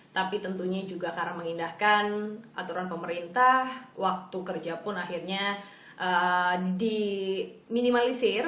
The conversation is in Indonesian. tapi tentunya juga karena mengindahkan aturan pemerintah waktu kerja pun akhirnya diminimalisir